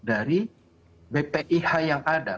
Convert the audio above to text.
dari bpih yang ada